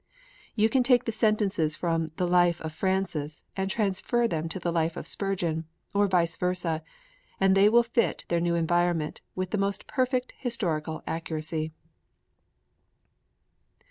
You can take the sentences from the Life of Francis and transfer them to the Life of Spurgeon, or vice versa, and they will fit their new environment with the most perfect historical accuracy.